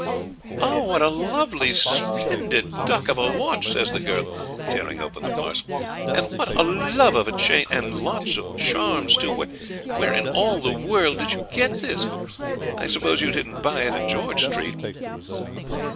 'Oh, what a lovely, splendid duck of a watch!' says the girl, tearing open the parcel. 'And what a love of a chain! and lots of charms, too. Where, in all the world, did you get this? I suppose you didn't buy it in George Street.'